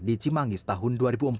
di cimangis tahun dua ribu empat